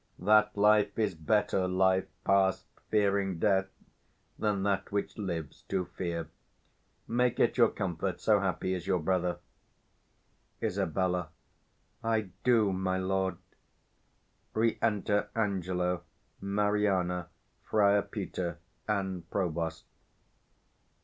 That life is better life, past fearing death, 395 Than that which lives to fear: make it your comfort, So happy is your brother. Isab. I do, my lord. _Re enter ANGELO, MARIANA, FRIAR PETER, and PROVOST.